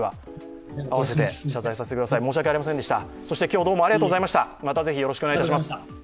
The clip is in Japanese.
合わせて謝罪させてください、申し訳ございませんでした。